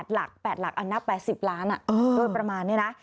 หลัก๘หลักอันนับ๘๐ล้านโดยประมาณนี้นะ